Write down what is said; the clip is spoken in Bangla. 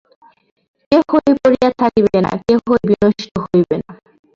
কেহই পড়িয়া থাকিবে না, কেহই বিনষ্ট হইবে না।